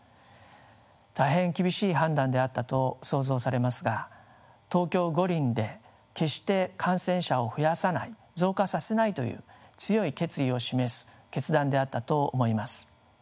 大変厳しい判断であったと想像されますが東京五輪で決して感染者を増やさない増加させないという強い決意を示す決断であったと思います。